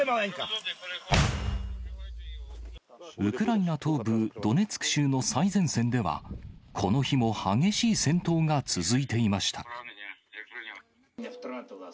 ウクライナ東部ドネツク州の最前線では、この日も激しい戦闘が続いていました。